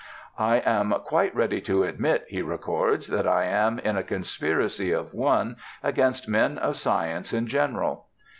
"I am quite ready to admit," he records, "that I am in a conspiracy of one against men of science in general."